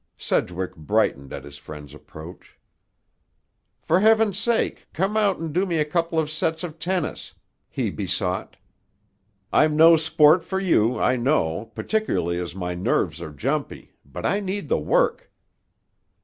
Sedgwick brightened at his friend's approach. "For heaven's sake, come out and do me a couple of sets of tennis!" he besought. "I'm no sport for you, I know, particularly as my nerves are jumpy; but I need the work."